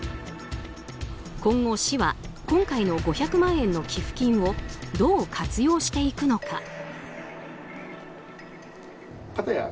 今後、市は今回の５００万円の寄付金をどう活用していくのか。